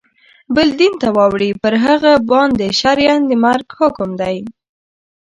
بل دین ته واوړي پر هغه باندي شرعاً د مرګ حکم دی.